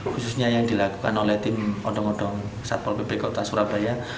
khususnya yang dilakukan oleh tim odong odong satpol pp kota surabaya